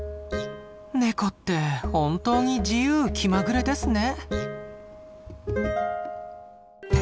ネコって本当に自由気まぐれですね。